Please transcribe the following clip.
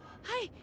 はい！